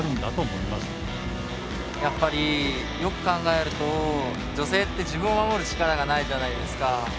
やっぱりよく考えると女性って自分を守る力がないじゃないですか。